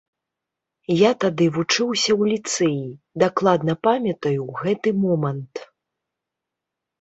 Я тады вучыўся ў ліцэі, дакладна памятаю гэты момант.